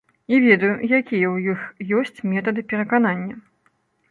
І ведаю, якія ў іх ёсць метады пераканання.